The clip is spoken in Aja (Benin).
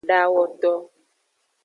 Dawoto.